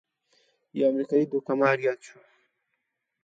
یو امریکايي دوکه مار یاد شو.